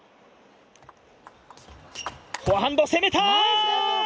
フォアハンド、攻めた！